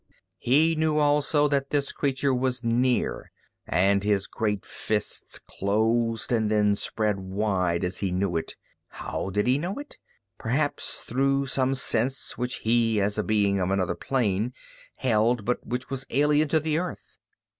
He knew also that this creature was near and his great fists closed and then spread wide as he knew it. How did he know it? Perhaps through some sense which he, as a being of another plane, held, but which was alien to the Earth.